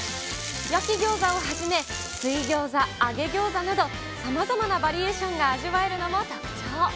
焼きギョーザをはじめ、水ギョーザ、揚げギョーザなど、さまざまなバリエーションが味わえるのも特徴。